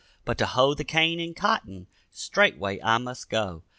But to hoe the cane and cotton, straightway I must go.